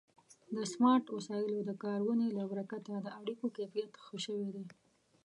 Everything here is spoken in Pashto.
د سمارټ وسایلو د کارونې له برکته د اړیکو کیفیت ښه شوی دی.